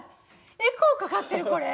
エコーかかってるこれ。